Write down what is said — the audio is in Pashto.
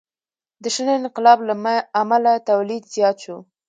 د شنه انقلاب له امله تولید زیات شو.